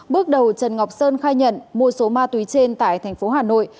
bước đầu trần ngọc sơn khai nhận mua số ma túy trên tại thành phố hà nội